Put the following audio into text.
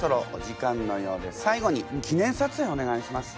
最後に記念さつえいをお願いします。